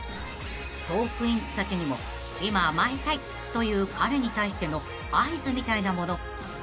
［トークィーンズたちにも今甘えたいという彼に対しての合図みたいなものあるんでしょうか］